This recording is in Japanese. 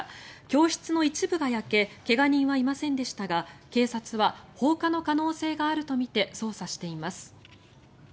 教室の一部が焼け怪我人はいませんでしたが警察は放火の可能性があるとみて捜査しています。